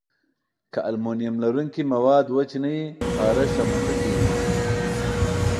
که المونیم لرونکي مواد وچ نه وي، خارښت رامنځته کېږي.